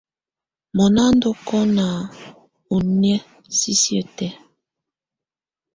Mɔna á ndù ɔkɔna ɔ ɔnɛ̀á sisiǝ́ tɛ̀á.